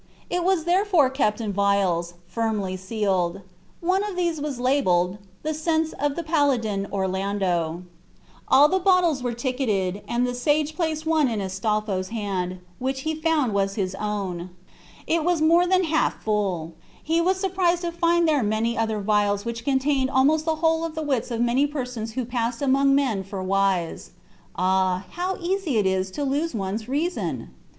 It was therefore kept in vials, firmly sealed. One of these was labelled, "The sense of the Paladin Orlando." All the bottles were ticketed, and the sage placed one in Astolpho's hand, which he found was his own. It was more than half full. He was surprised to find there many other vials which contained almost the whole of the wits of many persons who passed among men for wise. Ah, how easy it is to lose one's reason!